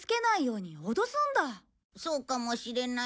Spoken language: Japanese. そうかもしれない。